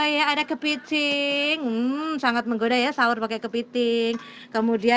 jadi brent juri juri ya